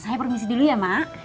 saya permisi dulu ya mak